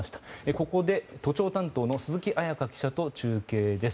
ここで都庁担当の鈴木彩加記者と中継です。